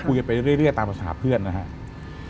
ไปเรื่อยตามภาษาเพื่อนนะครับ